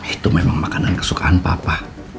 itu memang makanan kesukaan papa